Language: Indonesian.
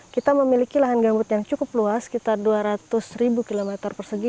kita memiliki lahan gambut yang cukup luas sekitar dua ratus ribu kilometer persegi